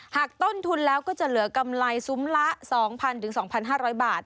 หากต้นทุนแล้วก็จะเหลือกำไรซุ้มละ๒๐๐๒๕๐๐บาท